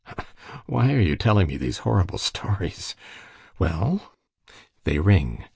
"Why are you telling me these horrible stories? Well?" "They ring.